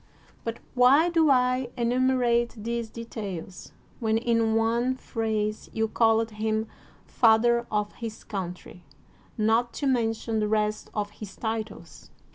But why do I enumerate these details, when in one phrase you called him father of his coun try — not to mention the rest of his titles